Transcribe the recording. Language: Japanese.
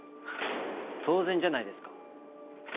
フッ当然じゃないですか。